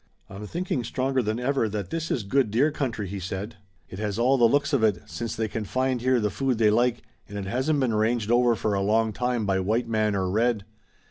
"I'm thinking stronger than ever that this is good deer country," he said. "It has all the looks of it, since they can find here the food they like, and it hasn't been ranged over for a long time by white man or red.